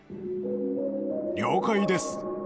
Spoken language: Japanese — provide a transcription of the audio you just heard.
了解です！